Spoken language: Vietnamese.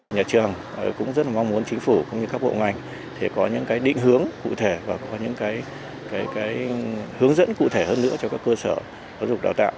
nhà trường cũng rất mong muốn chính phủ cũng như các bộ ngành có những định hướng cụ thể và có những hướng dẫn cụ thể hơn nữa cho các cơ sở giáo dục đào tạo